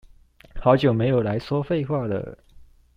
好久沒有來說廢話惹